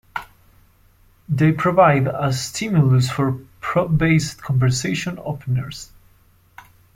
They provide a stimulus for prop-based conversation openers.